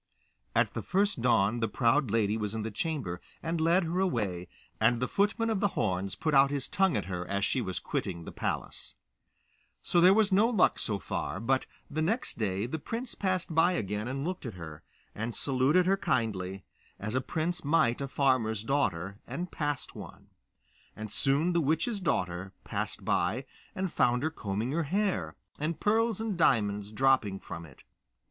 At the first dawn the proud lady was in the chamber, and led her away, and the footman of the horns put out his tongue at her as she was quitting the palace. So there was no luck so far; but the next day the prince passed by again and looked at her, and saluted her kindly, as a prince might a farmer's daughter, and passed one; and soon the witch's daughter passed by, and found her combing her hair, and pearls and diamonds dropping from it.